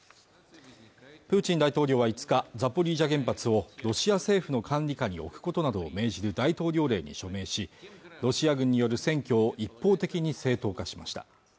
プーチン大統領は５日ザポリージャ原発をロシア政府の管理下に置くことなどを命じる大統領令に署名しロシア軍による占拠を一方的に正当化しました